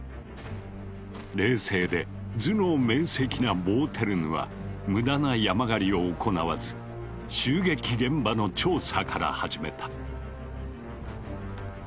冷静で頭脳明せきなボーテルヌは無駄な山狩りを行わず襲撃現場の調査から始めた。